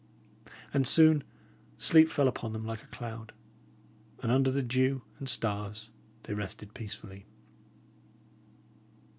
And soon sleep fell upon them like a cloud, and under the dew and stars they rested peacefully.